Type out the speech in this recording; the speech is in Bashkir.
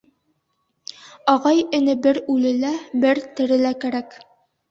Ағай-эне бер үлелә, бер терелә кәрәк.